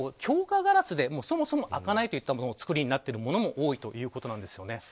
ガラスで開かないといったものの作りになっているものも多いということです。